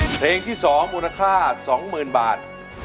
เพลงที่สองมูลค่าสองหมื่นบาท